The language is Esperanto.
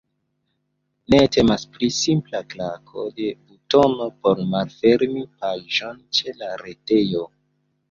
Ne temas pri simpla klako de butono por malfermi paĝon ĉe la retejo.